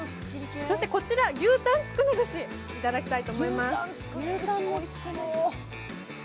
そしてこちら牛タンつくね串、いただきたいと思います。